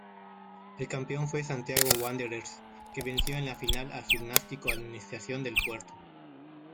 El campeón fue Santiago Wanderers, que venció en la final a Gimnástico-Administración del Puerto.